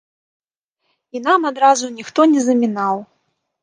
І нам адразу ніхто не замінаў.